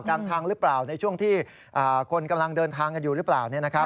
กลางทางหรือเปล่าในช่วงที่คนกำลังเดินทางกันอยู่หรือเปล่า